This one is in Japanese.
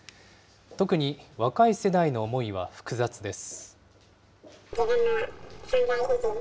特に若い世代の思いは複雑です。